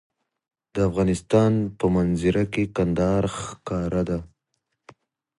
د افغانستان په منظره کې کندهار ښکاره ده.